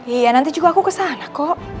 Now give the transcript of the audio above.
iya nanti juga aku kesana kok